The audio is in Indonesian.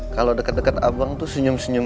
kalau deket deket abang tuh senyum senyum